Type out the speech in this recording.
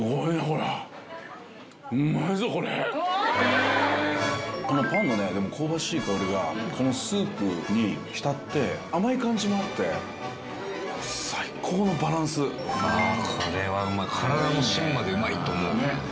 このパンのねでも香ばしい香りがこのスープに浸って甘い感じもあって最高のバランスあっこれはうまい体の芯までうまいと思ううん